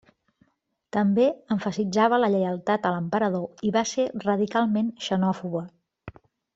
També emfasitzava la lleialtat a l'Emperador i va ser radicalment xenòfoba.